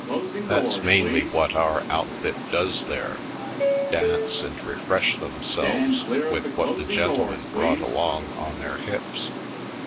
That's mainly what our outfit does there — dance and refresh themselves with what the gentlemen brought along on their hips.